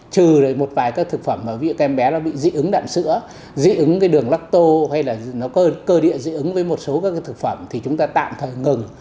trừ một vài các thực phẩm mà ví dụ các em bé nó bị dị ứng đạn sữa dị ứng cái đường lắc tô hay là nó có cơ địa dị ứng với một số các thực phẩm thì chúng ta tạm thời ngừng